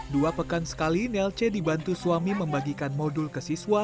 dua pekan sekali nelce dibantu suami membagikan modul ke siswa